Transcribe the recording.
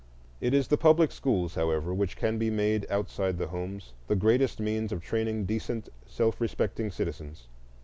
It is the public schools, however, which can be made, outside the homes, the greatest means of training decent self respecting citizens.